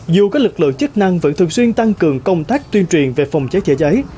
dù các lực lượng chức năng vẫn thường xuyên tăng cường công tác tuyên truyền về phòng cháy chữa cháy